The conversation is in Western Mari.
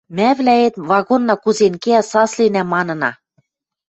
Мӓвлӓэт, вагонна кузен кеӓ, сасленӓ, манына: